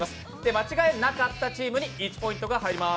間違えなかったチームに１ポイントが入ります。